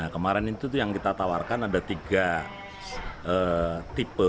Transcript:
kemarin itu yang kita tawarkan ada tiga tipe